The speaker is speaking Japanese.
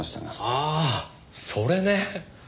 ああそれね。